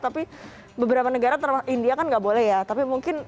tapi beberapa negara termasuk india kan nggak boleh ya tapi mungkin